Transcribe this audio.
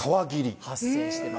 発生しています。